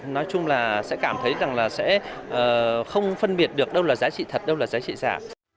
nói chung là sẽ cảm thấy rằng là sẽ không phân biệt được đâu là giá trị thật đâu là giá trị giả